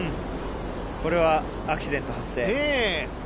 これはアクシデント発生。